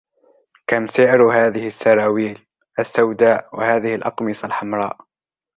كم سعر هذه السراويل السوداء و هذه الأقمصة الحمراء ؟